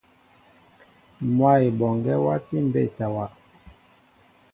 Mwă Eboŋgue wati mbétawa.